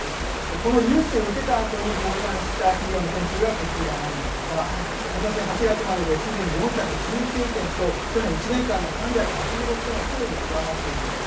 この融資を受けたあとに倒産した企業の件数がこちらなんですが、ことし８月までですでに４１９件と、去年１年間の３８６件をすでに上回っているんです。